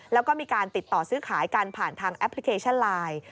แล้วก็มีการติดต่อซื้อขายกันผ่านทางแอปพลิเคชันไลน์